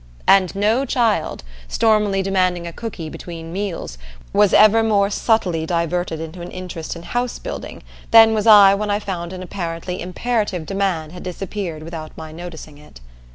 And no child, stormily demanding a cookie "between meals," was ever more subtly diverted into an interest in house building than was I when I found an apparently imperative demand had disappeared without my noticing it.